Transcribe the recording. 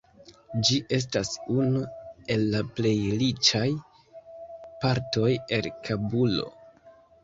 Ĝi estas unu el la plej riĉaj partoj en Kabulo.